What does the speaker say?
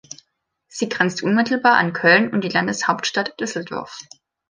Sie grenzt unmittelbar an Köln und die Landeshauptstadt Düsseldorf.